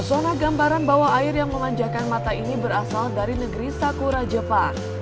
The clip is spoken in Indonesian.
zona gambaran bahwa air yang memanjakan mata ini berasal dari negeri sakura jepang